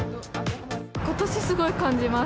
ことし、すごい感じます。